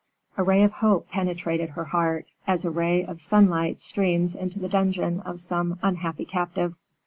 A ray of hope penetrated her heart, as a ray of sunlight streams into the dungeon of some unhappy captive.